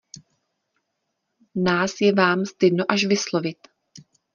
Nás je vám, stydno až vyslovit!